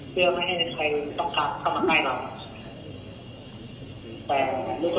เพื่อไม่ให้คนคนต้องกางมาใกล้ด้วย